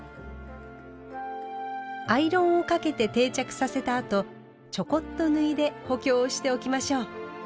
アイロンをかけて定着させたあとちょこっと縫いで補強をしておきましょう。